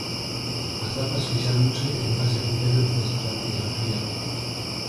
A datas fixáronse en base a criterios de estratigrafía.